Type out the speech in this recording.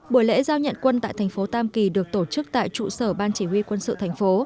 buổi lễ giao nhận quân tại thành phố tam kỳ được tổ chức tại trụ sở ban chỉ huy quân sự thành phố